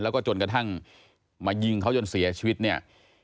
แล้วก็จนกระทั่งมายิงเขาจนเสียชีวิตเนี่ย